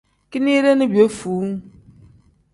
Kinide ni piyefuu.